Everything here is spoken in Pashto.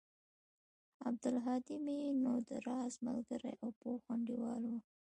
عبدالهادى مې نو د راز ملگرى او پوخ انډيوال و.